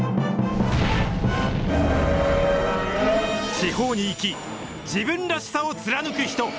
地方に生き、自分らしさを貫く人。